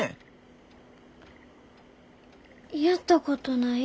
やったことない。